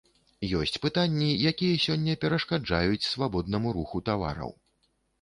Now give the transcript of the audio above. Ёсць пытанні, якія сёння перашкаджаюць свабоднаму руху тавараў.